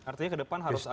artinya ke depan harus agak